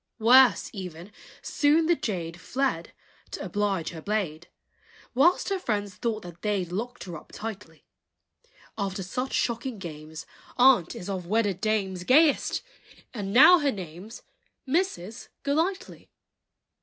Worse, even, soon the jade Fled (to oblige her blade!) Whilst her friends thought that they 'd Locked her up tightly: After such shocking games, Aunt is of wedded dames Gayest, and now her name's Mrs. Golightly.